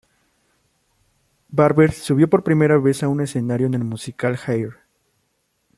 Barber subió por primera vez a un escenario en el musical Hair.